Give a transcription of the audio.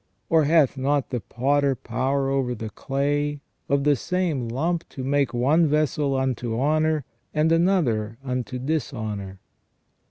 Or, hath not the potter power over the clay, of the same lump to make one vessel unto honour, and another unto dishonour